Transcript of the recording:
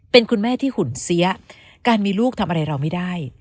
เป็นคุณแม่ที่หุ่นเสียการมีลูกทำอะไรเราไม่ได้